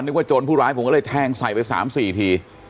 โจรผู้ร้ายผมก็เลยแทงใส่ไป๓๔ที